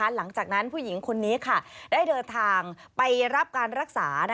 หลังจากนั้นผู้หญิงคนนี้ได้เดินทางไปรับการรักษา